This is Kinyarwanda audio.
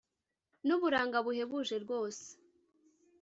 nuburanga buhebuje rwose